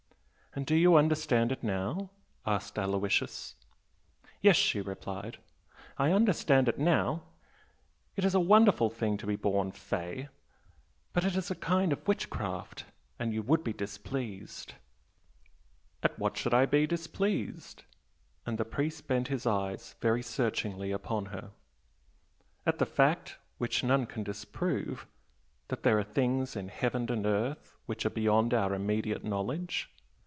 "And do you understand it now?" asked Aloysius. "Yes" she replied, "I understand it now! It is a wonderful thing to be born 'fey'! But it is a kind of witchcraft, and you would be displeased " "At what should I be displeased?" and the priest bent his eyes very searchingly upon her "At the fact, which none can disprove, that 'there are things in heaven and earth' which are beyond our immediate knowledge?